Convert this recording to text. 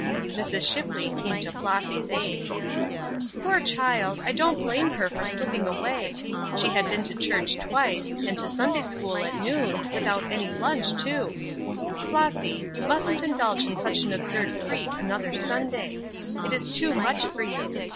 Mrs. Shipley came to Flossy's aid: "Poor child, I don't blame her for slipping away. She was tired. She had been to church twice, and to Sunday school at noon, without any lunch, too. Flossy, you mustn't indulge in such an absurd freak another Sunday. It is too much for you.